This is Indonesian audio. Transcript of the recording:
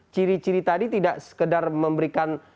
ciri ciri tadi tidak sekedar memberikan